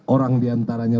sebelas orang diantaranya